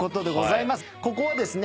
ここはですね